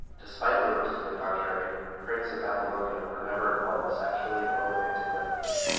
Despite rumors to the contrary, Prince and Apollonia were never involved sexually or romantically.